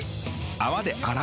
泡で洗う。